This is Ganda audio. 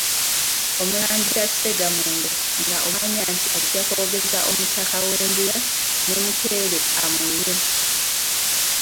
Omulangira Ssegaamwenge nga omanya nti ajja kwogeza omutaka w'e Mbuya ne Mukeere amwenye !